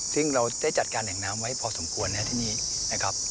ซึ่งเราได้จัดการแหล่งน้ำไว้พอสมควรนะครับที่นี่นะครับ